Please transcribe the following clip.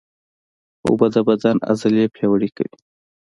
اوبه د بدن عضلې پیاوړې کوي